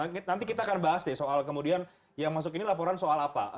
nanti kita akan bahas deh soal kemudian yang masuk ini laporan soal apa